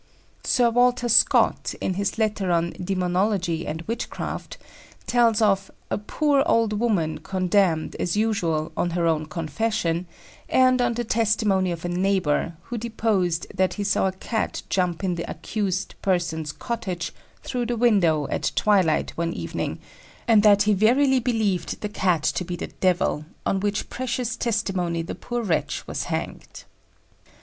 Sir Walter Scott, in his letter on "Demonology and Witchcraft," tells of "a poor old woman condemned, as usual, on her own confession, and on the testimony of a neighbour, who deposed that he saw a Cat jump in the accused person's cottage through the window at twilight, one evening, and that he verily believed the Cat to be the devil, on which precious testimony the poor wretch was hanged."